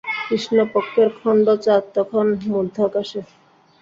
কৃষ্ণপক্ষের খণ্ড চাঁদ তখন মধ্য-আকাশে।